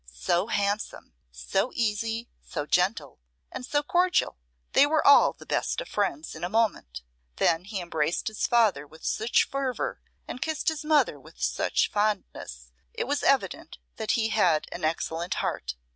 So handsome, so easy, so gentle, and so cordial; they were all the best friends in a moment. Then he embraced his father with such fervour, and kissed his mother with such fondness: it was evident that he had an excellent heart.